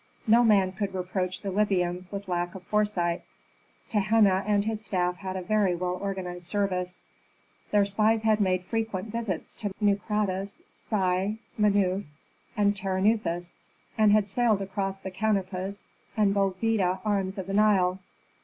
No man could reproach the Libyans with lack of foresight. Tehenna and his staff had a very well organized service. Their spies had made frequent visits to Melcatis, Naucratis, Sai, Menuf, and Terenuthis, and had sailed across the Canopus and Bolbita arms of the Nile.